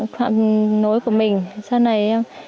phạm nối của mình sau này